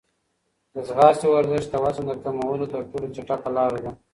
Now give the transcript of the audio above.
د ځغاستې ورزش د وزن د کمولو تر ټولو چټکه لاره ده.